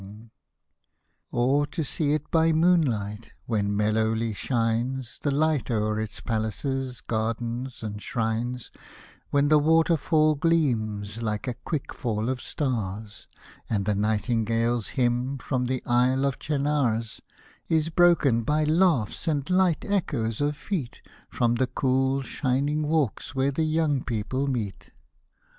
149 Hosted by Google •150 LALLA ROOKH Or to see it by moonlight, — when mellowly shines The light o'er its palaces, gardens, and shrines ; When the water falls gleam, like a quick fall of stars, And the nightingale's hymn from the Isle of Chenars Is broken by laughs and light echoes of feet From the cool, shining walks where the young people meet.